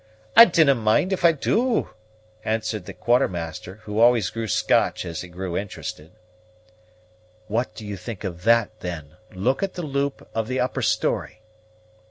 "I dinna mind if I do," answered the Quartermaster, who always grew Scotch as he grew interested. "What do you think of that, then? Look at the loop of the upper story!"